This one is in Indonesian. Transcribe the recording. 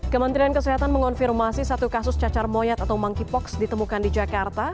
kementerian kesehatan mengonfirmasi satu kasus cacar moyat atau monkeypox ditemukan di jakarta